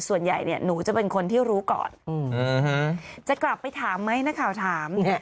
ส่วนใหญ่เนี่ยหนูจะเป็นคนที่รู้ก่อนจะกลับไปถามไหมนักข่าวถาม